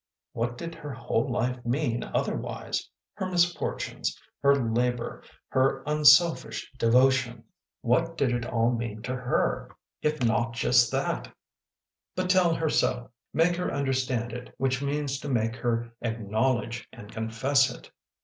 What did her whole life mean otherwise : her misfortunes, her labor. , her unselfish devotion? What did it all mean to her if i io THE PLEASANT WAYS OF ST. MEDARD not just that? But tell her so! Make her understand it, which means to make her acknowledge and confess it